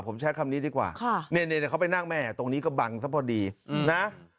ผมใช้คำนี้ดีกว่าเนี่ยเขาไปนั่งแม่ตรงนี้ก็บังซะพอดีนะ